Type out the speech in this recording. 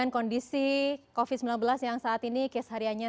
covid sembilan belas yang saat ini kes harianya